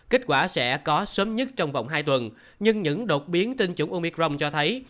kết quả sẽ có sớm nhất trong vòng hai tuần nhưng những đột biến trên chủng omicron cho thấy